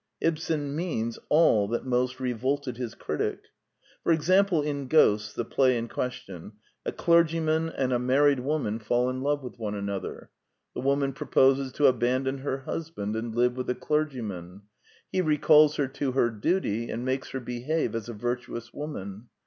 Ibsen means all that most re volted his critic. For example, in Ghosts, the play in question, a clergyman and a married The Two Pioneers 7 woman fall In love with one another. The woman proposes to abandon her husband and live with the clergyman. He recalls her to her duty, and makes her behave as a virtuous woman.